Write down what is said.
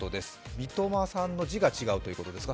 三苫さんの字が違うということですか。